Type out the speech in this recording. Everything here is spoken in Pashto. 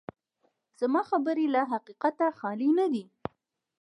زما خبرې له حقیقته خالي نه دي.